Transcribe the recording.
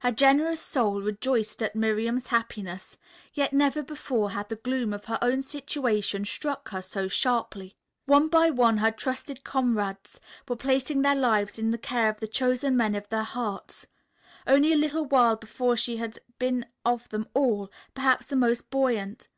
Her generous soul rejoiced at Miriam's happiness, yet never before had the gloom of her own situation struck her so sharply. One by one her trusted comrades were placing their lives in the care of the chosen men of their hearts. Only a little while before she had been of them all perhaps the most buoyant.